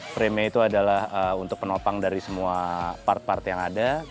frame nya itu adalah untuk penopang dari semua part part yang ada